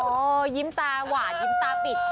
โอ้โฮยิ้มตาหวานยิ้มตาปิด